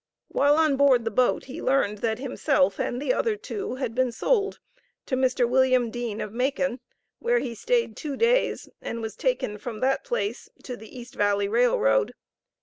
While on board the boat, he learned that himself and the other two had been sold to Mr. William Dean, of Macon, where he stayed two days, and was taken from that place to the East Valley Railroad.